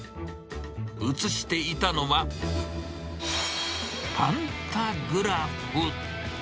映していたのは、パンタグラフ。